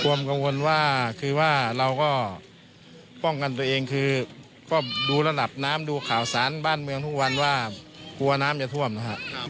ความกังวลว่าคือว่าเราก็ป้องกันตัวเองคือก็ดูระดับน้ำดูข่าวสารบ้านเมืองทุกวันว่ากลัวน้ำจะท่วมนะครับ